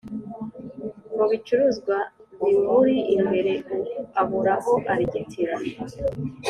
mubicuruzwa bimuri imbere abura aho arigitira.